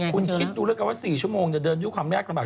คุณคิดดูแล้วกันว่า๔ชั่วโมงเดินด้วยความยากลำบาก